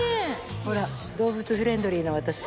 ほら、動物フレンドリーな私。